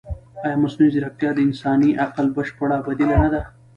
ایا مصنوعي ځیرکتیا د انساني عقل بشپړه بدیله نه ده؟